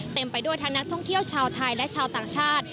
ไปด้วยทั้งนักท่องเที่ยวชาวไทยและชาวต่างชาติ